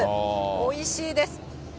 おいしいです。